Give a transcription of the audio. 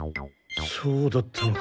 そうだったのか。